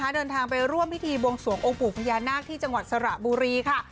เดินทางไปร่วมพิธีบวงสวงองค์ปู่พญานาคที่จังหวัดสระบุรีค่ะ